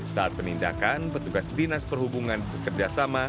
saat penindakan petugas dinas perhubungan bekerjasama